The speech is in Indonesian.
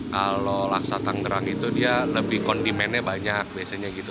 kalau laksa tangerang itu dia lebih kondimennya banyak biasanya gitu